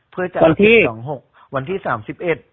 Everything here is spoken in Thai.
เพื่อจะวันที่สองหกวันที่สามสิบเอ็ด